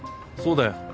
そうだよ。